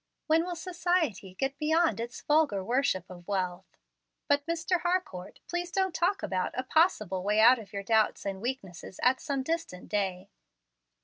When will society get beyond its vulgar worship of wealth! But, Mr. Harcourt, please don't talk about a 'possible way out of your doubts and weaknesses at some distant day.'